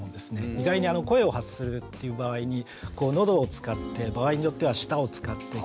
意外に声を発するっていう場合にのどを使って場合によっては舌を使って唇をこう動かしてっていう。